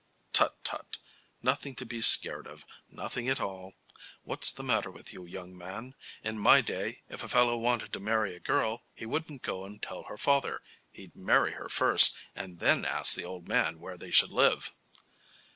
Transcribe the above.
"Tut, tut. Nothing to be scared of. Nothing at all. What's the matter with you, young man? In my day, if a fellow wanted to marry a girl he wouldn't go and tell her father. He'd marry her first and then ask the old man where they should live."